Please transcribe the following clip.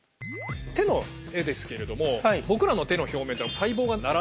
手の絵ですけれども僕らの手の表面ってのは細胞が並んでるわけですね。